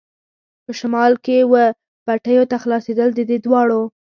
په شمال کې وه پټیو ته خلاصېدل، د دې دواړو.